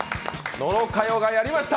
野呂佳代がやりました！